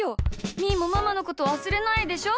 みーもママのことわすれないでしょ？